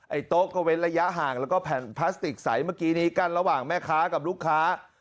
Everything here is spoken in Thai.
โต๊ะก็เว้นระยะห่างแล้วก็แผ่นพลาสติกใสเมื่อกี้นี้กั้นระหว่างแม่ค้ากับลูกค้า